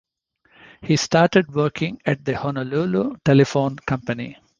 He started working at the Honolulu telephone company.